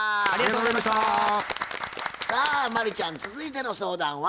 さあ真理ちゃん続いての相談は？